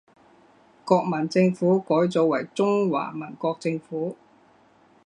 国民政府改组为中华民国政府。